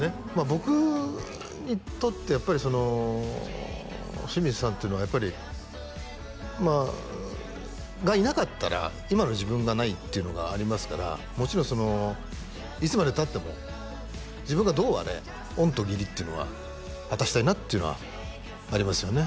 僕にとってやっぱり清水さんっていうのはやっぱりまあがいなかったら今の自分がないっていうのがありますからもちろんいつまでたっても自分がどうあれ恩と義理っていうのは果たしたいなっていうのはありますよね